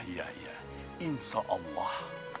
ya insya allah